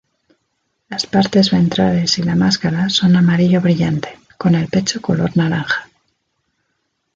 Las partes ventrales y la máscara son amarillo brillante, con el pecho color naranja.